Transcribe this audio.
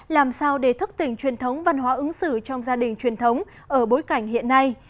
làm sao để thức tỉnh truyền thống văn hóa ứng xử trong gia đình truyền thống ở bối cảnh hiện nay